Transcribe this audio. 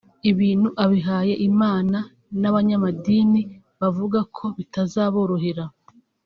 ibintu abihaye Imana n’abanyamadini bavuga ko bitazaborohera